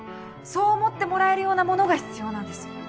そう思ってもらえるようなものが必要なんです。